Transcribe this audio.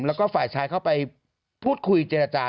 แล้วก็ฝ่ายชายเข้าไปพูดคุยเจรจา